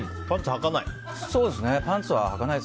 パンツをはかない？